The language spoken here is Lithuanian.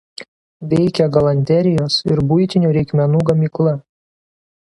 Veikia galanterijos ir buitinių reikmenų gamykla.